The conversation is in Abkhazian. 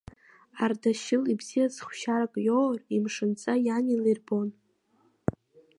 Ардашьыл, ибзиаз хәшьарак иоур, имшынҵа иан илирбон.